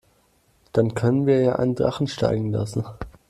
Dann können wir ja einen Drachen steigen lassen.